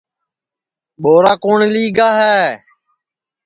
ٻوارا کُوٹؔ لی گا ہے